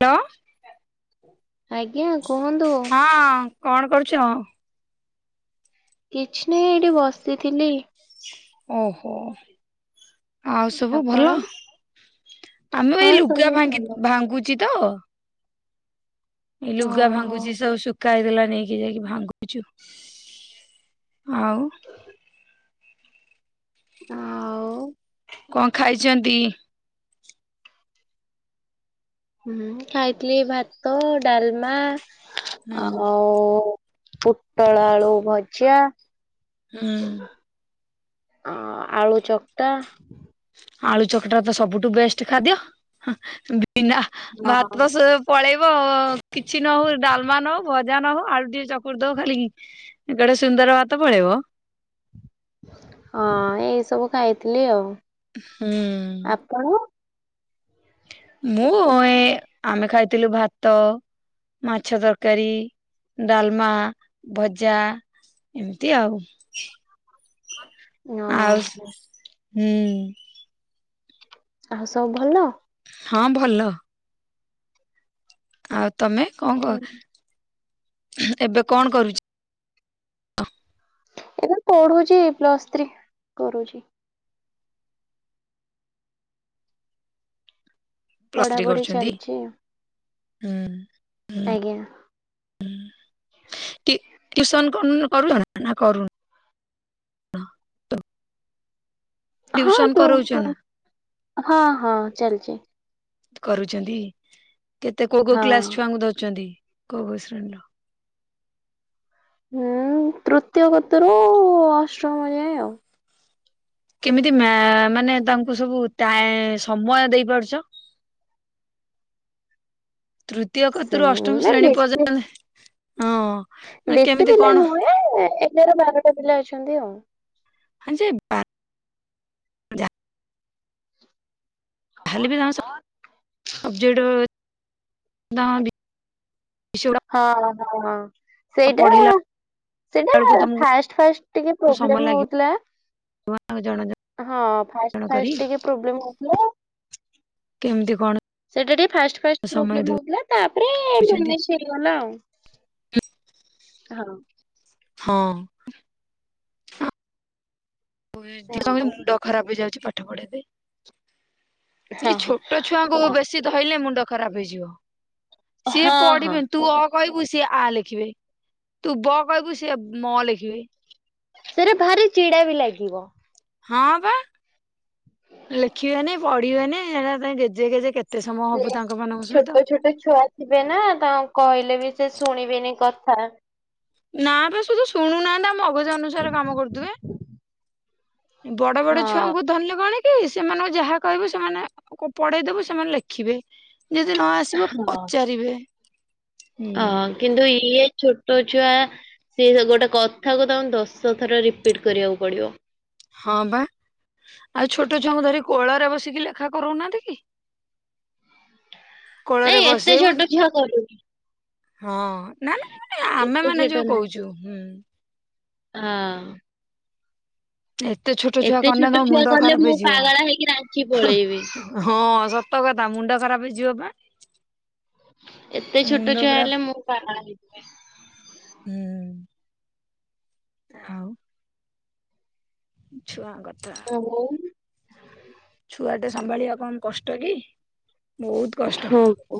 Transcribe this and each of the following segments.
Hello. ଆଜ୍ଞା କୁହନ୍ତୁ। ହଁ କଣ କରୁଚ? କିଛି ନାହିଁ ଏଇଠି ବସିଥିଲି। ଓହୋ। ଆଉ ସବୁ ଆପଣ? ଭଲ ଆମେ ହଁ ଏଇ ଲୁଗା ସବୁ ଭାଙ୍ଗି ଭଲ ଭାଙ୍ଗୁଚିତ ଏଇ ଲୁଗା ଓହୋ ଭାଙ୍ଗୁଚି ସବୁ ଶୁକୁ ସୁଖାହେଥିଲା ନେଇକି ଯାଇକି ଭାଙ୍ଗୁଛୁ ଆଉ। [inaudible] ଆଉ। କଣ ଖାଇଚନ୍ତି? ହୁଁ ଖାଇଥିଲି ଭାତ ଡ଼ାଲମା ହୁଁ ଆ ଓ ପୋଟଳ ଆଳୁ ଭଜା ହୁଁ। ଆ ଆଳୁ ଚକ୍ଟା। ଆଳୁ ଚକଟାତ ସବୁଠୁ ବେଷ୍ଟେ ଖାଦ୍ୟ ହଁ ବିନା ହଁ ଭାତ ସବୁ ପଳେଇବ କିଛି ନହୋଉ ଡ଼ାଲମା ନହୋଉ ଭଜା ନହୋଉ ଆଳୁ ଟିକେ ଚକୁଡ଼ି ଦବ ଖାଲିକି ଏଇ ଗଡ଼େ ସୁନ୍ଦର ଭାତ ପଳେଇବ। ହଁ ଏଇ ସବୁ ଖାଇଥିଲି ଆଉ। ହୁଁ। କଣ? ମୁଁ ଏଁ ଆମେ ଖାଇଥିଲୁ ଭାତ ମାଛ ତରକାରୀ ଡ଼ାଲମା ଭଜା ଏମିତି ଆଉ। ହଁ ଆଉସ୍ ହୁଁ। ଆଉ ସବୁ ଭଲ? ହଁ ଭଲ। ଆଉ ତମେ କଣ କ ଏବେ କଣ କରୁଚ? ଏବେ ପଢୁଛି ଏ ପ୍ଲସ୍ ଥ୍ରୀ କରୁଚି। ପ୍ଲସ୍ ଥ୍ରୀ ପଢାପଢି କରୁଛନ୍ତି ଚାଲିଛି ହୁଁ। ହୁଁ ଆଜ୍ଞା ଟି ଟ୍ୟୁସନ କରୁନୁ କରୁନ ନା କଣ ନା କରୁନୁ ହଁ ହଁ ଟିଉସନ କରଉଛ ନା ଟିଉସନହଁ ହଁ ଚାଲିଛି କରୁଛନ୍ତି କେତେ କୋଉ କୋଉ ହଁ। କ୍ଲାସ ଛୁଆଙ୍କୁ ଧରିଛନ୍ତି କୋଉ କୋଉ ଶ୍ରେଣୀର? ହୁଁ ତୃତୀୟ କତିରୁ ଅଷ୍ଟମ ଯାଏ ଆଉ କେମିତି ମା ମାନେ ତାଙ୍କୁ ସବୁ ଟାଏ ସମୟ ଦେଇପାରୁଛ ତୃତୀୟ କତିରୁ ଅଷ୍ଟମ ସେମେ ଶ୍ରେଣୀ ବେଶୀ ପର୍ଯ୍ୟନ୍ତ ହଁ ମାନେ ବେଶୀ କେମିତି ପିଲା କଣ ନୁହେଁ ଏଗାର ବାରଟା ପିଲା ଅଛନ୍ତି ଆଉ ହଁ ଯେ ହେଲେ ବି ତାଙ୍କ ସବ୍ ସବଜେକ୍ଟ [unintelligible] ବିଷୟଗୁଡ଼ା ହଁ ହଁ ହଁ ସେଇଟା ପଢ଼େଇଲା ସେଇଟା ବେଳକୁ ନା ତମକୁ ଫାଷ୍ଟ ଫାଷ୍ଟ ଟିକେ ପ୍ରୋବ୍ଲେମ ହଉଥିଲା ଆଉ ଜଣାଜ ହଁ ଫାଷ୍ଟ ଫାଷ୍ଟ ଟିକେ ପ୍ରୋବ୍ଲେମ ହଉଥିଲା କେମିତି କଣ ସେଇଟା ଟିକେ ଫାଷ୍ଟ ଫାଷ୍ଟ ସମୟ ପ୍ରୋବ୍ଲେମ ହଉଥିଲା ତାପରେ ଦଉଛନ୍ତି? ଭୁବନେ ହେଇଗଲା ଆଉ [inaudible] ହଁ ହଁ ମୁଁ ଏତିକି ହଁ ସମୟରେ ମୁଣ୍ଡ ଖରାପ ହେଇଯାଉଛି ପାଠ ପଢେଇକି ହଁ ସେଇ ଛୋଟ ଛୁଆଙ୍କୁ ହଁ ବେଶୀ ଧଇଲେ ମୁଣ୍ଡ ଖରାପ ହେଇଯିବ ସିଏ ହଁ ହଁ ପଢିବେ ତୁ ଅ କହିବୁ ସିଏ ଆ ଲେଖିବେ ତୁ ବ କହିବୁ ସିଏ ମ ଲେଖିବେ ସେଇରା ଭାରି ଚିଡା ବି ଲାଗିବ ହଁ ବା ଲେଖିବେନି ପଢିବେନିହେରା ତ ଗେଜେ ଗେଜେ କେତେ ସମୟ ହବୁ ତାଙ୍କ ମାନଙ୍କ ସହିତ। ଛୋଟ ଛୋଟ ଛୁଆ ଥିବେ ନା ତାଙ୍କୁ କହିଲେ ବି ସେ ଶୁଣିବେନି କଥା ନା ପା ସୁଦୁ ଶୁଣୁ ନାହାନ୍ତି ତାଙ୍କ ମଗଜ ଅନୁସାରେ କାମ କରୁଥିବେ ବଡ ବଡ ହଁ ଛୁଆଙ୍କୁ ଧରିଲେ କଣକି କି ସେମାନଙ୍କୁ ଯାହା କହିବୁ ସେମାନେ ପଢେଇ ଦେବୁ ସେମାନେ ଲେଖିବେ ଯଦି ନ ଆସିବ କ ହଁ -ଚାରିବେ ହଁ କିନ୍ତୁ ଇଏ ଛୋଟ ଛୁଆ ସେ ଗୋଟେ କଥାକୁ ତାଙ୍କୁ ଦଶ ଥର ରିପିଟ୍ କରିବାକୁ ପଡ଼ିବ ହଁ ବା ଆଉ ଛୋଟ ଛୁଆଙ୍କୁ ଧରି କୋଳରେ ବସିକି ଲେଖା କରଉନାହାନ୍ତି କି କୋଳରେ ନାଇଁ ଏତେ ବସେଇବୁ ଛୋଟ ଛୁଆ କରୁନି ହଁ ନା ନା ମାନେ ଆମେ ଏତେ ମାନେ ଛୋଟ ଯୋଉ ନାହାନ୍ତି। କହୁଛୁ ହୁଁ ହଁ ଏତେ ଛୋଟ ଛୁଆ ଏତେ କରିନେ ଛୋଟ ତମ ଛୁଆ ମୁଣ୍ଡ କଲେ ଖରାପ ମୁଁ ହେଇଯିବ ପାଗଳା ହେଇକି ରାଞ୍ଚି ହ ପଳେଇବି। ହ ହଁ ସତ କଥା ମୁଣ୍ଡ ଖରାପ ହେଇ ଯିବପା ଏତେ ଛୋଟ ଛୁଆ ପୁରା ହେଲେ ହୁଁ। ମୁଁ ପାଗଳ ହେଇଯିବି ହୁଁ ଆଉ ଛୁଆଙ୍କ କଥା ହ [unintelligible] ଛୁଆଟେ ସମ୍ଭାଳିବା କମ କଷ୍ଟ କି ବହୁତ କଷ୍ଟ ଓ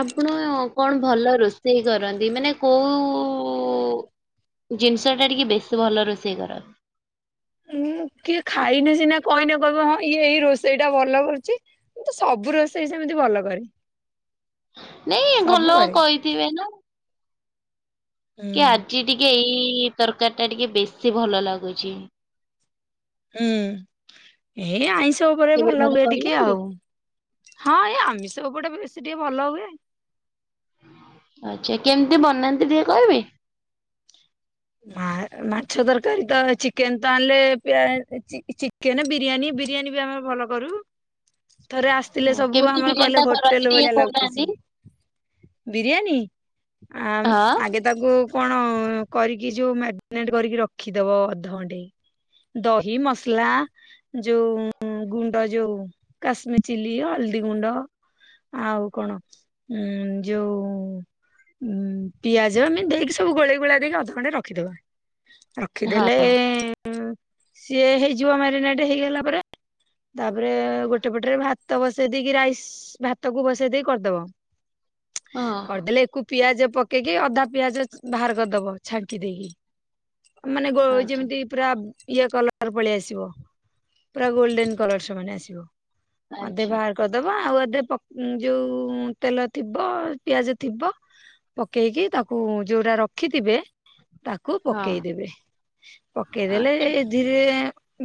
ଆପଣ କଣ ଭଲ ରୋଷେଇ କରନ୍ତି ମାନେ କୋଉ ଜିନିଷଟା ଟିକେ ବେଶୀ ଭଲ ରୋଷେଇ କର ଉଁ କିଏ ଖାଇନେ ସିନା କହିନେ କହିବେ ହଁ ଇଏ ଏଇ ରୋଷେଇ ଟା ଭଲ କରୁଛି। ମୁଁ ତ ସବୁ ରୋଷେଇ ସେମିତି ଭଲ କରେ। ନାଇଁ ଘର ସବୁ ଲୋକ କରେ। କହିଥିବେ ନା। ହୁଁ କି ଆଜି ଟିକେ ଏଇ ତରକାରୀ ଟା ଟିକେ ବେଶୀ ଭଲ ଲାଗୁଛି। ହୁଁ ଏଇ ଆଇଁଷ ଉପରେ କେବେ ଭଲ ଘରେ ହୁଏ ଟିକେ କହିନାହାନ୍ତି? ଆଉ। ହଁ ଏଇ ଆମିଷ ଉପଟେ ବି ବେଶୀ ଟିକେ ଭଲ ହୁଏ। ଆଚ୍ଛା କେମିତି ବନାନ୍ତି ଟିକେ କହିବେ? ମାଛ ତରକାରୀ ତ ଚିକେନ ତ ଆଣିଲେ ପିଆ ଚି ଚି କେଁନେ ବିରିୟାନୀ ବିରିୟାନୀ ବି ଆମର ଭଲ କରୁ। ଥରେ ଆସିଥିଲେ ସବୁ କେମିତି ଆମର ବିରିୟାନୀ କହିଲେ ଟା କରନ୍ତି ହୋଟେଲ ଟିକେ ଭଳିଆ ଲାଗୁଛି। କହୁନାହାନ୍ତି? ବିରିୟାନୀ ଆ ହଁ ଆଗେ ତାକୁ କଣ କରିକି ଯୋଉ ମାରିନେଟ କରିକି ରଖିଦବ ଅଧଘଣ୍ଟେ ଦହି ମସଲା। ଯୋଉ ଗୁଣ୍ଡ ଯୋଉ କାଶ୍ମିର ଚିଲି ହଳଦୀ ଗୁଣ୍ଡ। ଆଉ କଣ ଉଁ ଯୋଉ ଉଁ ପିଆଜ ଆମେ ଦେଇକି ସବୁ ଗୋଳେଇ ଗୋଳା ଦେଇକି ଆ ଖଣ୍ଡେ ରଖିଦବା। ହଁ ରଖିଦେଲେ ହୁଁ ସିଏ ହେଇଯିବ ମାରିନାଟେ ହେଇଗଲା ପରେ ତାପରେ ଗୋଟେ ପଟରେ ଭାତ ବସେଇ ଦେଇକି ରାଇସ ଭାତ କୁ ବସେଇ ଦେଇକି କରିଦବ। ହଁ କରିଦେଲେ ଏକୁ ପିଆଜ ପକେଇକି ଅଧା ପିଆଜ ବାହାର କରିଦବ। ଛାଙ୍କି ଦେଇକି ମାନେ ଆଚ୍ଛା ଯେମିତି ପୁରା ଇଏ କଲର ପଳେଇ ଆସିବ ପୁରା ଗୋଲଡେନ କଲର ସେମାନେ ଆସିବ। ଆଧେ ଆଚ୍ଛା ବାହାର କରିଦବା ଆଉ ଏଧେ ଯୋଉ ତେଲ ଥିବ ପିଆଜ ଥିବ। ପକେଇକି ତାକୁ ଯୋଉଟା ରଖିଥିବେ। ତାକୁ ହଁ ପକେଇଦବେ ପକେଇଦେଲେ ଆଚ୍ଛା ଧୀରେ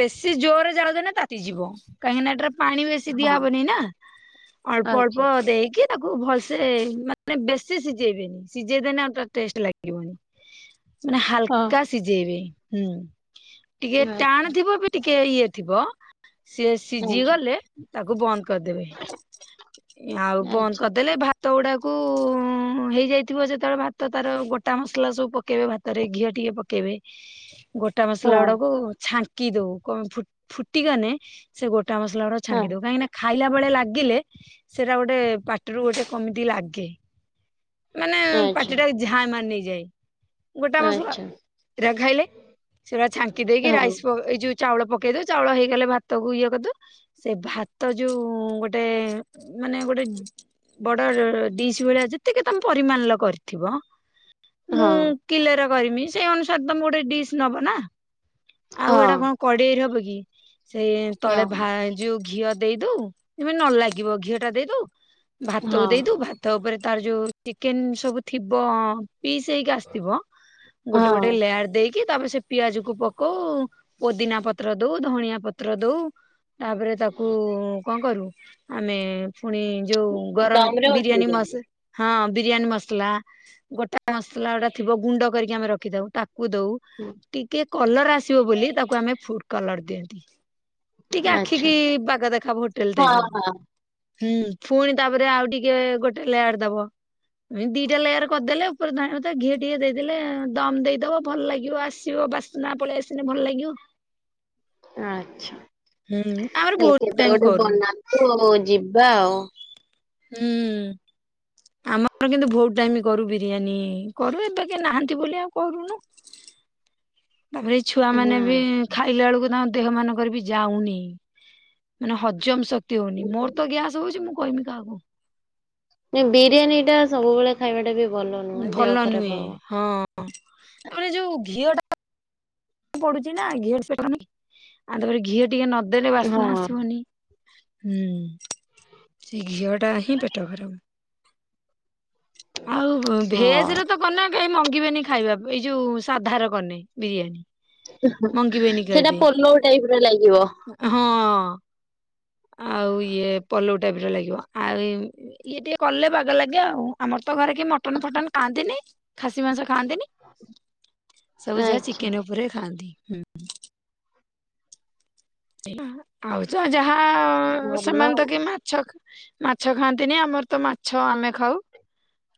ବେଶୀ ଜୋରରେ ଜାଳ ଦେଲେ ତାତିଯିବ। କାହିଁକି ନା ଏଟା ପାଣି ବେଶୀ ହଁ ଦିଆହବନି ନା ଅଳ୍ପ ଆଚ୍ଛା ଅଳ୍ପ ଦେଇକି ତାକୁ ଭଲସେ ମାନେ ବେଶି ସିଝେଇବେନି। ସିଝେଇଦେଲେ ଆଉ ତା ଟେଷ୍ଟ ଲାଗିବନି। ମାନେ ହଁ ହାଲକା ସିଝେଇବେ ହୁଁ ଟିକେ ଆଚ୍ଛା ଟାଣ ଥିବବି। ଟିକେ ଇଏ ଥିବ ସିଏ ସିଝି ଆଚ୍ଛା ଗଲେ ତାକୁ ବନ୍ଦ କରିଦେବେ ଆଉ ବନ୍ଦ ଆଚ୍ଛା କର। ଦେଲେ ଭାତ ଗୁଡ଼ାକୁ ହେଇଯାଇଥିବ। ଯେତେବେଳେ ଭାତ ତାର ଗୋଟା ମସ ମସଲା ସବୁ ପକେଇବେ ଭାତରେ ଘିଅ ଟିକେ ପକେଇବେ ଗୋଟା ମସଲା ହଁ ଗୁଡକୁ ଛା କି ଦଉ କଣ ଫୁଟଗଲେ ସେ ଗୋଟ ମଲା ଗୁଡା ହଁ ଛାଙ୍କି ଦବ। କାହିଁକିନା ଖାଇଲା ବେଳେ ଲାଗିଲେ ସେଟା ଗୋଟେ ପାଟିରୁ ଗୋଟେ କେମିତି ଲାଗେ। ମାନେ ଆଚ୍ଛା ପାଟି ଟା ଝାଇଁ ମାରି ନେଇଯାଏ। ଗୋଟା ମସଲା ଆଚ୍ଛା ରଗାଇଲେ ସେଗା ଛାଙ୍କି ଦେଇକି ହଁ ରାଇସ ଏଇ ଯୋଉ ଚାଉଳ ପକେଇ ଦଉ ଚାଉଳ ହେଇଗଲେ ଭାତକୁ ଇଏ କରିଦୋଉ। ସେ ଭାତ ଯୋଉ ଗୋଟେ ମାନେ ଗୋଟେ ବଡ ଡିଶ ଭଳିଆ ଯେତିକି ତମେ ପରିମାଣ ଲ କରିଥିବ। ମୁଁ ହଁ କିଲେର କରିମି ସେଇ ଅନୁସାରେ ତ ମୁଁ ଗୋଟେ ଡିସ୍ ନବ ନା ଆଉ ହଁ ଏଇଟା କଣ କଡେଇରେ ହବ କି ସେଇ ତଳେ ହଁ ଭା ଯୋଉ ଘିଅ ଦେଇଦୋଉ ଏ ମାନେ ଲାଗିବ ଘିଅ ଟା ଦେଇଦଉ ଭାତକୁ ହଁ ଦେଇଦଉ। ଭା ତାପରେ ତାର ଯୋଉ ଚିକେନ ସବୁ ଥିବ। ପିସ୍ ହେଇକି ଆସିଥିବ ଗୋଟେ ହଁ ଗୋଟେ ଲେୟାର ଦେଇକି ତାପରେ ସେ ପିଆଜ କୁ ପକଉ ପୋଦିନା ପତ୍ର ଦୋଉ ଧଣିଆ ପତ୍ର ଦୋଉ। ତାପରେ ତାକୁ କଣ କରୁ ଆମେ ପୁଣି ଯୋଉ ଗରମ ଦମରେ ବିରିୟାନୀ ମସ୍‌ ବସେଇଛନ୍ତି। ହଁ ବିରିୟାନୀ ମସଲା। ଗୋଟା ମସଲା ଗୋଟା ଥିବ। ଗୁଣ୍ଡ କରିକି ଆମେ ରଖିଥାଉ ତାକୁ ଦଉ। ହୁଁ। ଟିକେ କଲର୍ ଆସିବ ବୋଲି ତାକୁ ଆମେ ଫୁଡ଼୍ କଲର୍ ଦିଅନ୍ତି। ଟିକେ ଆଚ୍ଛା। ଆଖିକି, ବାଗ ଦେଖହବ ହୋଟେଲ୍ ଟାଇପ୍ ହଁ ର। ହଁ। ହୁଁ। ଫୁଣି ତାପରେ, ଆଉ ଟିକେ ଗୋଟେ ଲେୟାର୍ ଦବ। ଦିଟା ଲେୟାର୍ କରିଦେଲେ ପରେ ଧଣିଆ ପତ ଘିଏ ଟିଏ ଦେଇଦେଲେ, ଦମ୍ ଦେଇଦବ। ଭଲ ଲାଗିବ ଆସିବ ବାସ୍ନା ପଳେଇ ଆସିନେ ଭଲ ଲାଗିବ। ଆଚ୍ଛା ହୁଁ। ଆମର ହେଲେ ବହୁତ କେବେ ଟାଇମ ଗୋଟେ କରୁ ବନା ତୁ ଯିବା ଆଉ। ହୁଁ। ଆମର କିନ୍ତୁ ଭୋଉତ୍ ଟାଇମ୍ କରୁ ବିରିୟାନୀ କରୁ ଏବେ କେହି ନାହାନ୍ତି ବୋଲି ଆଉ କରୁନୁ। ତାପରେ ଏଇ ଛୁଆମାନେ ବି ହୁଁ ଖାଇଲା ଅଳୁକୁ ତାଙ୍କ ଦେହ ମାନ କରେ ବି ଯାଉନେଇ ମାନେ ହଜମ ଶକ୍ତି ହୋଉନି। ମୋର ତ ଗ୍ୟାସ। ହୋଉଚି ମୁଁ କହମି କାହାକୁ? ନାଇଁ ବିରିୟାନୀଟା ସବୁବେଳେ ଖାଇବାଟା ବି ଭଲ ନୁହେଁ। ଦେହ ଖରାପ ହବ। କଁ ତାପରେ ଯୋଉ ଘିଅଟା ପଡ଼ୁଚି ନା ଘିଅରେ [unintelligible] ଆଁ ତାପରେ, ଘିଅ ଟିକେ ନଦେଲ ବାସ୍ନା ହଁ ଆସିବନି। ହୁଁ। ସେ ଘିଅଟା ହିଁ ପେଟ ଗରମ। ଆଉ ହଁ। ଭେଜ୍ ରେ ତ କନେ କେହି ମଙ୍ଗିବେନି ଖାଇବାକୁ ଏଇ ଯୋଉ ସାଧାର କନେ ବିରିଆନୀ। ଏଁ ହଁ ସେଟା ପଲଉ ଟାଇପ୍ ର ଲାଗିବ। ହଁ। ‌ଆଉ ଇଏ ପଲଉ ଟାଇପ୍ ର ଲାଗିବ। ଆ ଇ ଇଏ ଟିକେ କଲେ ବାଗ ଲାଗେ ଆଉ। ଆମର ତ ଘରେ କେ ମ ଟନ୍ ଫଟନ୍ ଖାଆନ୍ତିନି। ଖାସି ମାଂସ ଖାଆନ୍ତିନି। ସବୁ ଯାହା ଆଚ୍ଛା ଚିକେନ୍ ଓ ବୋରେ ଖାଆନ୍ତିି। ହୁଁ। ଆଉ ଯ ଯାହା ଭଲ ସେମାନେ ତ କେହି ମାଛ ମାଛ ଖାଆନ୍ତିନେଇ ଆମର ତ ମାଛ ଆମେ ଖାଉ।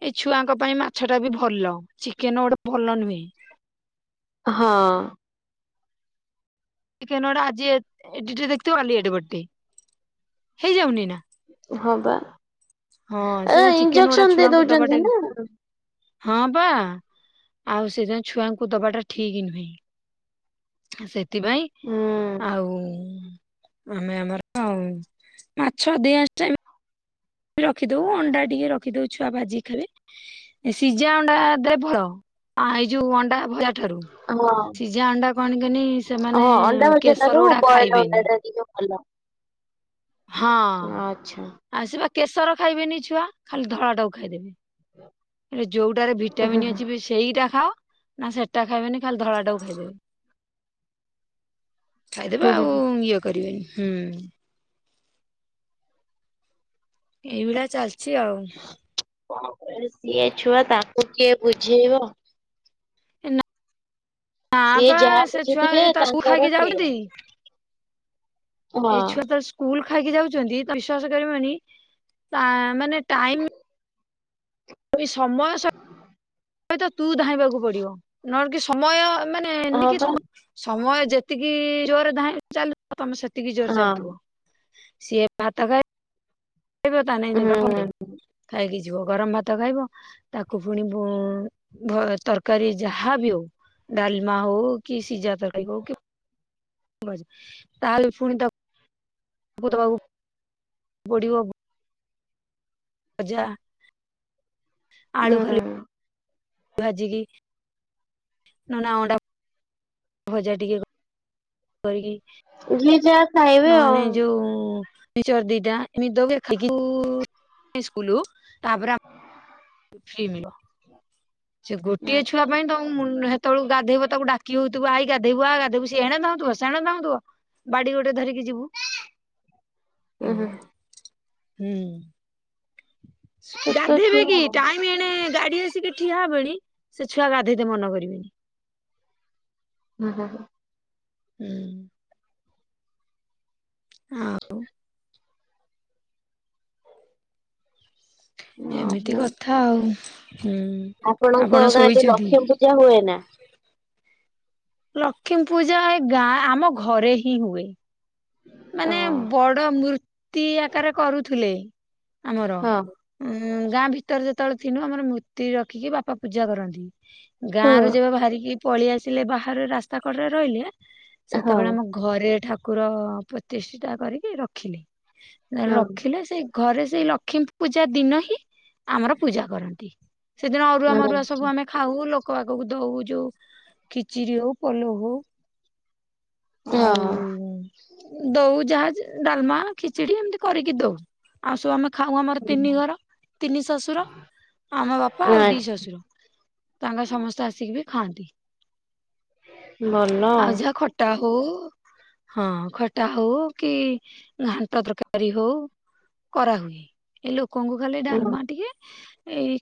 ଏ ଛୁଆଙ୍କ ପାଇଁ ମାଛଟା ବି ଭଲ। ଚିକେନ୍ ଓଟେ ଭଲ ନୁହେଁ। ହଁ। ଇଥେନେ ଓଟେ ଆଜି ଏ ଏଡ଼ିଟେ ଦେଖଥିବ କାଲି ଏଡ଼େ ବଡ଼ଟେ। ହେଇଯାଉନେଇ ନା? ହଁ ପା। ହଁ ଏରା ସେ ଚିକେନ ଗୁଡା ଇଞ୍ଜକ୍ସନ୍ ଦେଇ ଛୁଆଙ୍କୁ ଦବାଟା ଦୋଉଚନ୍ତି ନାଁ। ହଁ ପା। ଆଉ ସେ ଯାଏଁ ଛୁଆଙ୍କୁ ଦବାଟା ଠିକ୍ ନୁହେଁ। ସେଥିପାଇଁ। ହୁଁ। ଆଉ ଆମେ ଆମର ଉଁ ମାଛ ଅଧିଆଂଶ ଟାଇମ୍ ରଖିଦୋଉ। ଅଣ୍ଡା ଟିକେ ରଖିଦୋଉ ଛୁଆ ଭାଜି ଖାଇବେ। ସିଜା ଅଣ୍ଡା ଦେ ଭଳ ଆ ଏଇ ଯୋଉ ଅଣ୍ଡା ଭଆ ଠାରୁ ହଁ ସିଜା ଅଣ୍ଡା କଣ କନି ସେମାନେ ହଁ କେଶର ଉଡ଼ା ଖାଇବେନି। ହାଲ। ହଁ ଆଚ୍ଛା ଆଉ ସେ ପା କେଶର ଖାଇବେନି ଛୁଆ ଖାଲି ଧଳାଟାକୁ ଖାଇଦେବେ। ଆରେଯୋଉଟାରେ ହୁଁ ଭିଟାମିନ୍ ହୁଁ ଅଛି ବେଶୀ ସେଇଟା ଖାଅ। ନାଁ ସେଟା ଖାଇବେନି। ଖାଲି ଧଳାଟାକୁ ଖାଇଦେବେ। ଖାଇଦବା ହୁଁ ଆଉ ହୁଁ। ଇଏ କରିବେନି। ହୁଁ। ଏଇଭଳିଆ ଚାଲଚି ଆଉ। ଏ ସିଏ ଛୁଆ ତାକୁ କିଏ ବୁଝେଇବ? ନା ସିଏ ପା ଯାହା ସେ ଛୁଆ ବୁଝିଥିବେ ଯେ ତ ସ୍କୁଲ୍ ତାଙ୍କର ଖାଇକି ସେଇଆ। ଯାଉଚନ୍ତି ହଁ ଏ ଛୁଆ ତ ସ୍କୁଲ୍ ଖାଇକି ଯାଉଚନ୍ତି ବିଶ୍ଵାସ କରିବନି ତା ମାନେ ଟାଇମ୍ ଏବି ସମୟ ସ ଅଇତ ତୁ ଧାଇଁବାକୁ ପଡ଼ିବ। ନହେଲେ କି ସମୟ ମାନେ ହଁ ଏନିକି ପା ସମ ସମୟ ଯେତିକି ଜୋରେ ଧାଇଁ ଚାଲୁ ତମେ ସେତିକି ଜୋରରେ ହଁ ଚାଲୁଥୁବ। ସିଏ ଭାତ ଖାଇ ଖାଇବ ତା ନାଇଁ ହୁଁ [unintelligible] ହୋଉନି କି? କାହିଁକି ଯିବ ଗରମ ଭାତ ଖାଇବ। ତାକୁ ଫୁଣି ଭୋ ଭୋ ତରକାରୀ ଯାହା ବି ହୋଉ ଡାଲ୍ମା ହୋଉ କି ସିଜା ତରକାରୀ ହୋଉ କି ତାହେଲେ ପୁଣି ତା ବୁ ତବାକୁ ଗୋଡି ଅବ ଅଜା। ଆଳୁ ଖାଲି। ହୁଁ। ଭାଜିଲି। ନ ନା ଅଣ୍ଡା ଭଜା ଟିକିଏ କ କରି କିି ଯିଏ ଯା ନହନେ ଯୋଉ ମିଶ୍ଚର ଦିଟା ଏମିତି ଦୋଙ୍ଗେ ଖାଇକି ସ୍କୁଲ ସ୍କୁଲ ତାପରେ ସେ ଗୋଟିଏ ଛୁଆ ପାଇଁ ତ ହେତବେଳୁ ଗାଧେଇବୁ ତାକୁ ଡାକିଉ ଥିବୁ ଆଇ ଗାଧେଇବୁ ଆ ଗାଧେଇବୁ ସିଏଣେ ଧାଉଁଥିବ ସେଣେ ଧାଉଁଥିବ। ବାଡି ଗୋଟେ ଧରିକି ଯିବୁ ଉଁ ହୁଁ ଏଇଭଳିଆ ହୁଁ। ଛୋଟ ଗାଧେଇ ଛୁଆ ଦେଇକି ଆଉ। ଟାଇମ ଏଣେ ଗାଡି ଆସିକି ଠିଆ ହବଣି ସେ ଛୁଆ ଗାଧେଇତେ ମନ କରିବେନି। ହୁ ହଁ ହ। ହୁଁ। ଆଉ। ଏମିତି ଓହୋ। କଥା ଆଉ ହୁଁ। ଆପଣଙ୍କ ଆପଣ ଗାଁରେ ଶୋଇଛନ୍ତି? ଲକ୍ଷ୍ମୀ ପୂଜା ହୁଏ ନା। ଲକ୍ଷ୍ମୀ ପୂଜା ଏ ଗାଁ ଆମ ଘରେ ହିଁ ହୁଏ। ମାନେ ହଁ ବଡ ମୂର୍ତ୍ତି ଆକାରେ କରୁଥିଲେ ଆମର। ହଁ ଉଁ ଗାଁ ଭିତରେ ଯେତେବେଳେ ଥିନୁ ଆମର ମୂର୍ତ୍ତି ରଖିକି ବାପା ପୂଜା କରନ୍ତି। ଗାଁ ହଁ। ରୁ ଯେବେ ବାହାରିକି ପଳି ଆସିଲେ ବାହାରେ ରାସ୍ତା କଡରେ ରହିଲେ ହଁ ସେତେବେଳେ ଆମ ଘରେ ଠାକୁର ପ୍ରତିଷ୍ଠୀତା କରିକି ରଖିଲେ ହଁ ରଖିଲେ ସେଇ ଘରେ ସେଇ ଲକ୍ଷ୍ମୀ ପୂଜା ଦିନ ହିଁ ଆମର ପୂଜା କରନ୍ତି। ସେଦିନ ଅରୁଆ ମରୁଆ ଆଚ୍ଛା ସବୁ ଆମେ ଖାଉ ଲୋକ ଆକକୁ ଦଉ ଯୋଉ ଖିଚିରି ହଉ ପଲଉ ହଉ। ହଁ ଆଉ ଦଉ ଯାହା ଡାଲ୍ମା ଖିଚଡି ଏମିତି କରିକି ଦଉ। ଆଉ ସବୁ ଆମେ ଖାଉ ଆମର ତିନି ଘର ତିନି ଶଶୁର ଆମ ବାପା ଆଉ ଦି ଆଚ୍ଛା ଶଶୁର। ତାଙ୍କ ସମସ୍ତେ ଆସିକି ବି ଖାଆନ୍ତି ଆଉ ଯାହା ଖ ତା ହଉ ହଁ। ଖଟା ହଉ କି ଘାନ୍ଟ ତରକାରୀ ହଉ କରାହୁଏ। ଏ ଲୋକଙ୍କୁ ଖାଲି ଡାଲ୍ମା ଟିକେ ଏଇ